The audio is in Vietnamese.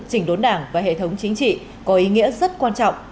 chỉnh đốn đảng và hệ thống chính trị có ý nghĩa rất quan trọng